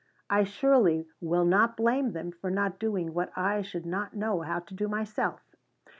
I surely will not blame them for not doing what I should not know how to do myself.